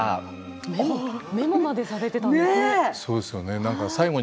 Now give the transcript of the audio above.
メモまでされていたんですね。